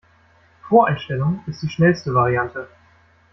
Voreinstellung ist die schnellste Variante.